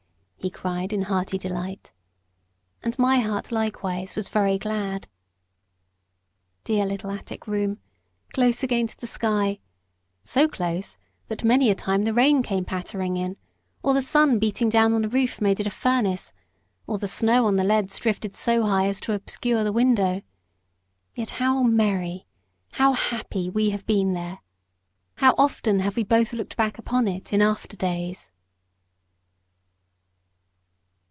he cried in hearty delight. And my heart likewise was very glad. Dear little attic room! close against the sky so close, that many a time the rain came pattering in, or the sun beating down upon the roof made it like a furnace, or the snow on the leads drifted so high as to obscure the window yet how merry, how happy, we have been there! How often have we both looked back upon it in after days!